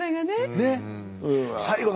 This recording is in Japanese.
ねっ。